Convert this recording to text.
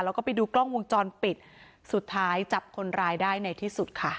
แล้วก็ไปดูกล้องวงจรปิดสุดท้ายจับคนร้ายได้ในที่สุดค่ะ